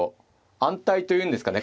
安泰と言うんですかね。